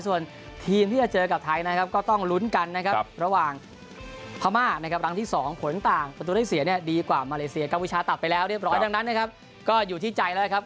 ส่วนทีมที่จะเจอกับไทยนะครับก็ต้องลุ้นกันนะครับระหว่างพม่านะครับรังที่๒ผลต่างประตูได้เสียเนี่ยดีกว่ามาเลเซียกัมพูชาตัดไปแล้วเรียบร้อยดังนั้นนะครับก็อยู่ที่ใจแล้วนะครับ